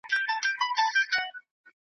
زمانې یمه یو عمر په خپل غېږ کي آزمېیلی .